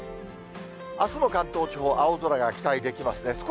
あすも関東地方、青空が期待できますね。